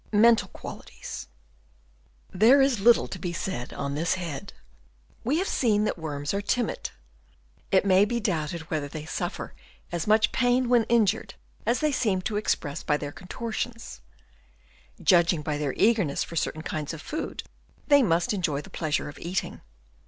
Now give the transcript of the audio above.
Mental Qualities. — There is little to be said on this head. We have seen that worms are timid. It may be doubted whether they suffer as much pain when injured, as they *' The Zoologist,' vol. vii. 1849, p. 2576. Chap. I. MENTAL QUALITIES. 35 seem to express by their contortions. Judging by their eagerness for certain kinds of food, they must enjoy the pleasure of eating.